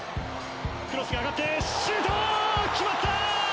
クロスが上がってシュート決まった！